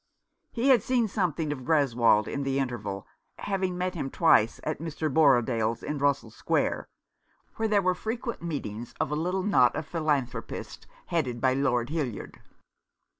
He had seen something of Greswold in the interval, having met him twice at Mr. Borrodaile's in Russell Square, where there were frequent meetings of a little knot of philanthropists, headed by Lord Hildyard.